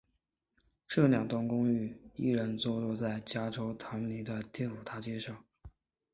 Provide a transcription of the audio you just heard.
这两栋公寓依然坐落在加州唐尼的第五大街上。